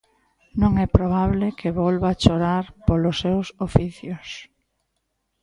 Non é probable que volva chorar polos seus oficios.